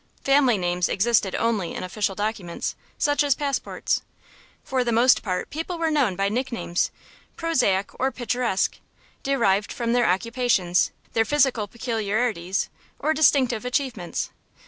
Family names existed only in official documents, such as passports. For the most part people were known by nicknames, prosaic or picturesque, derived from their occupations, their physical peculiarities, or distinctive achievements.